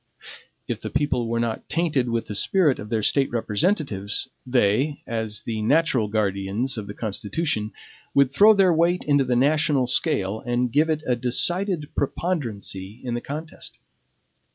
If the people were not tainted with the spirit of their State representatives, they, as the natural guardians of the Constitution, would throw their weight into the national scale and give it a decided preponderancy in the contest.